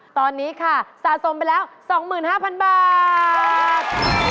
ตอนนี้ค่ะสะสมไปแล้ว๒๕๐๐๐บาท